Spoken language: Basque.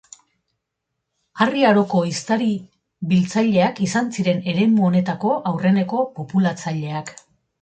Harri Aroko ehiztari-biltzaileak izan ziren eremu honetako aurreneko populatzaileak.